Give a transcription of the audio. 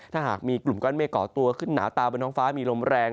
ถ้าหากมีกลุ่มก้อนเมฆก่อตัวขึ้นหนาตาบนท้องฟ้ามีลมแรง